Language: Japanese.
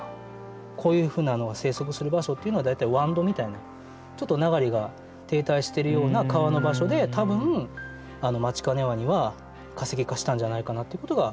こういうふうなのが生息する場所っていうのは大体わんどみたいなちょっと流れが停滞してるような川の場所で多分マチカネワニは化石化したんじゃないかなっていうことが分かってくる。